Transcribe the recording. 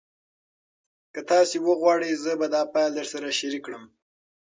که تاسي وغواړئ زه به دا فایل درسره شریک کړم.